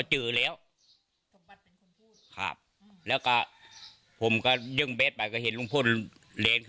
ถึงคนก็ไปดูตรงได้เจอโสก